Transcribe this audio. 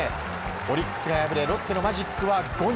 オリックスが敗れロッテのマジックは５に。